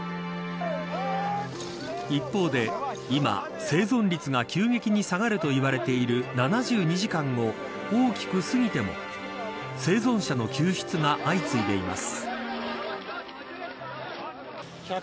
一方で今、生存率が急激に下がると言われている７２時間を大きく過ぎても生存者の救出が相次いでいます。